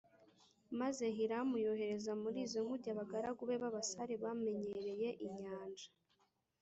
Maze Hiramu yohereza muri izo nkuge abagaragu be b’abasare bamenyereye inyanja